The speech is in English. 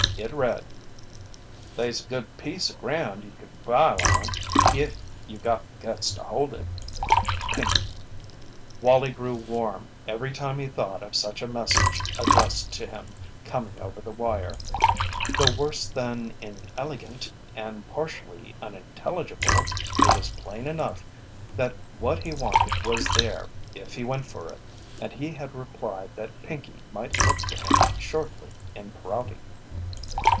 It read: They's a good piece of ground you can file on if you got the guts to hold it. PINKEY. Wallie grew warm every time he thought of such a message addressed to him coming over the wire. Though worse than inelegant, and partially unintelligible, it was plain enough that what he wanted was there if he went for it, and he had replied that Pinkey might look for him shortly in Prouty.